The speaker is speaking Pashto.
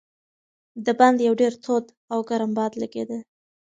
د باندې یو ډېر تود او ګرم باد لګېده.